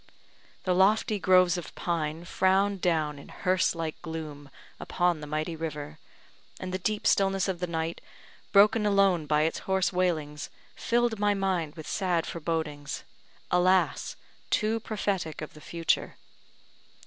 The lofty groves of pine frowned down in hearse like gloom upon the mighty river, and the deep stillness of the night, broken alone by its hoarse wailings, filled my mind with sad forebodings alas! too prophetic of the future.